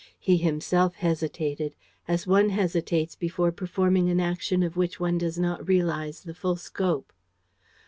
He himself hesitated, as one hesitates before performing an action of which one does not realize the full scope.